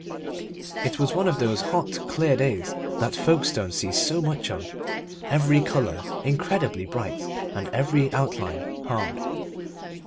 It was one of those hot, clear days that Folkestone sees so much of, every colour incredibly bright and every outline hard.